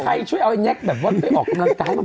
ใครช่วยเอาไอ้แนคแบบว่าแล้วออกกำลังใช้เมือง